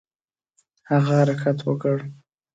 هغه حرکت وکړ.